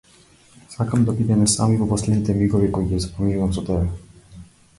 Сакам да бидеме сами во последните мигови кои ги поминувам со тебе.